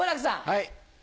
はい。